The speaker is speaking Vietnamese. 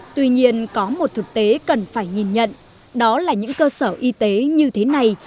tuy nhiên có một thực tế cần phải nhìn nhận đó là những cơ sở y tế như thế này